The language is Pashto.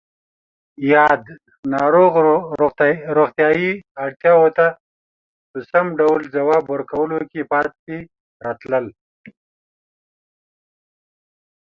یاد ناروغ روغتیایی اړتیاوو ته په سم ډول ځواب ورکولو کې پاتې راتلل